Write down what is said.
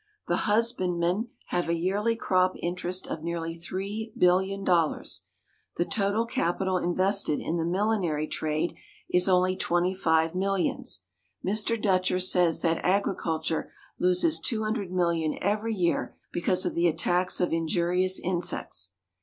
The husbandmen have a yearly crop interest of nearly three billion dollars. The total capital invested in the millinery trade is only twenty five millions. Mr. Dutcher says that agriculture loses two hundred million every year because of the attacks of injurious insects.